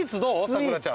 咲楽ちゃん。